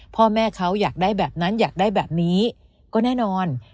พ่อแม่เขาอยากได้แบบนั้นอยากได้แบบนี้ก็แน่นอน